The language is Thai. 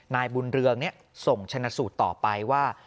นายบุญเรืองส่งชนะสูตรต่อไปว่า